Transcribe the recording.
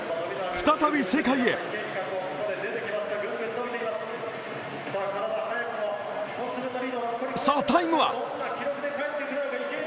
再び世界へさあタイムは？